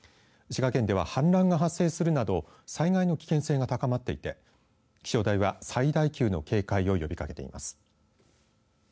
滋賀県では氾濫が発生するなど災害の危険性が高まっていて気象台は最大級の警戒を呼びかけています。